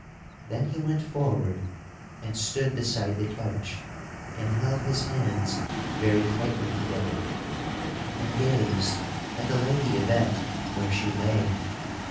Then he went forward and stood beside the couch and held his hands very tightly together and gazed at the Lady Yvette where she lay.